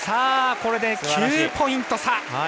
これで、９ポイント差！